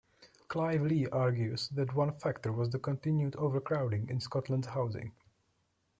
Clive Lee argues that one factor was the continued overcrowding in Scotland's housing.